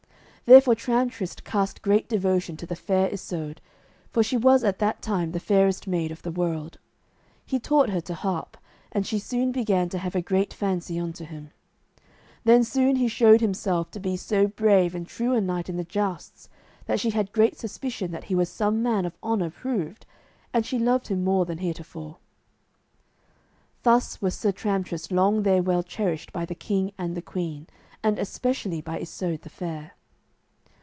Therefore Tramtrist cast great devotion to the Fair Isoud, for she was at that time the fairest maid of the world. He taught her to harp, and she soon began to have a great fancy unto him. Then soon he showed himself to be so brave and true a knight in the jousts that she had great suspicion that he was some man of honour proved, and she loved him more than heretofore. Thus was Sir Tramtrist long there well cherished by the king and the queen and especially by Isoud the Fair.